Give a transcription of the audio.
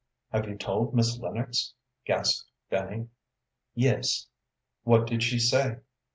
"Have you told Miss Lennox?" gasped Fanny. "Yes." "What did she say?"